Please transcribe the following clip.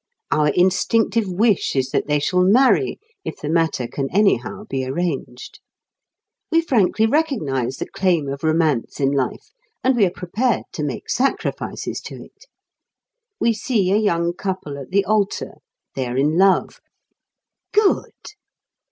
Our instinctive wish is that they shall marry, if the matter can anyhow be arranged. We frankly recognise the claim of romance in life, and we are prepared to make sacrifices to it. We see a young couple at the altar; they are in love. Good!